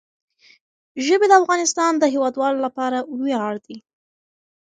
ژبې د افغانستان د هیوادوالو لپاره ویاړ دی.